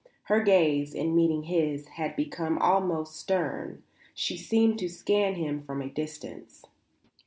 Her gaze, in meeting his, had become almost stern. She seemed to scan him from a distance.